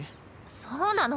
そうなの。